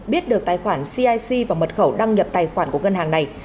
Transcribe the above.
biết được tài khoản cic và mật khẩu đăng nhập tài khoản của ngân hàng này